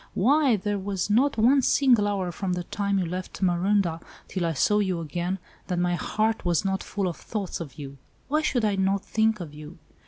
"Why, there was not one single hour from the time you left Marondah till I saw you again, that my heart was not full of thoughts of you. Why should I not think of you?